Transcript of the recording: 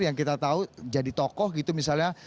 yang kita tahu jadi tokoh gitu misalnya